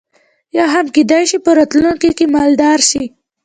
یا هم کېدای شي په راتلونکي کې مدلل شي.